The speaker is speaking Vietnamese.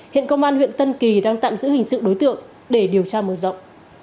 hiện công an huyện tân kỳ đang tạm giữ hình sự đối tượng để điều tra mở rộng